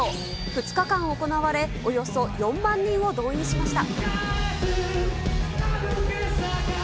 ２日間行われ、およそ４万人を動員しました。